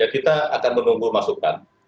kita akan menunggu masukan